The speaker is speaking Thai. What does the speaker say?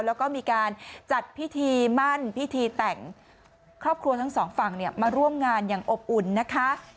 แล้วก็มีการจัดพิธีมั่นพิธีแต่งครอบครัวทั้งสองฝั่งเนี่ยมาร่วมงานอย่างอบอุ่นนะคะ